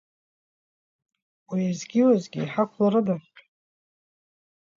Уеизгьы-уеизгьы иҳақәларыда.